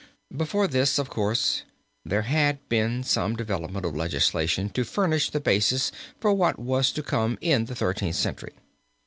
Before this, of course, there had been some development of legislation to furnish the basis for what was to come in the Thirteenth Century.